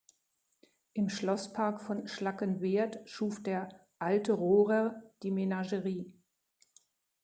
Im Schlosspark von Schlackenwerth schuf der "alte Rohrer" die Menagerie.